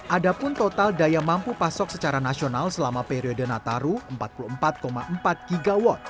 ada pun total daya mampu pasok secara nasional selama periode nataru empat puluh empat empat gw